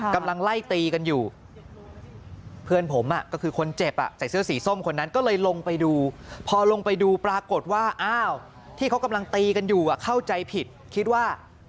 กำลังไล่ตีกันอยู่เพื่อนผมก็คือคนเจ็บใส่เสื้อสีส้มคนนั้นก็เลยลงไปดูพอลงไปดูปรากฏว่าอ้าวที่เขากำลังตีกันอยู่เข้าใจผิดคิดว่า